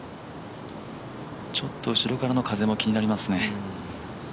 ちょっと後ろからの風も気になりますね。